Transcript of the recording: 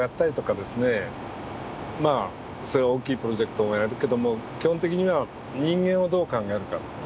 まあそれは大きいプロジェクトもやるけども基本的には人間をどう考えるか。